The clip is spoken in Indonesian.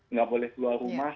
nggak boleh keluar rumah